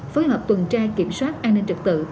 phối hợp tuần tra kiểm soát an ninh trật tự